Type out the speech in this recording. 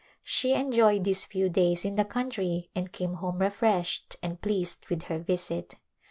She enjoyed these ^^vf days in the country and came home refreshed and pleased with her visit.